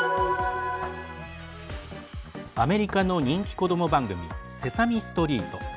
アメリカの人気子ども番組「セサミストリート」。